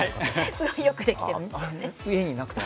すごいよくできていますよね。